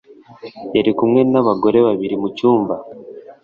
Yari kumwe naabagore babiri mucyumba